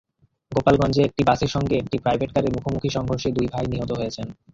গোপালগঞ্জে একটি বাসের সঙ্গে একটি প্রাইভেটকারের মুখোমুখি সংঘর্ষে দুই ভাই নিহত হয়েছেন।